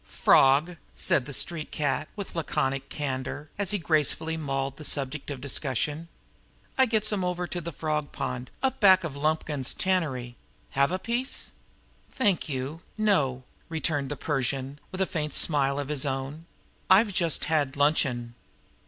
"Frawg," said the street cat, with laconic candor, as he gracefully mauled the subject of discussion. "I gets 'em over to the frawg pawnd up back of Lumkins's tannery. Have a piece?" "Thank you, no," returned the Persian, with a faint smile of his own. "I've just had luncheon."